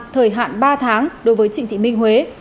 thời hạn ba tháng đối với trịnh thị minh huế